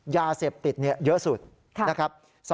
ยาเสพติดเยอะสุดค่ะ